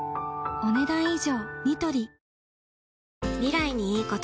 お、ねだん以上。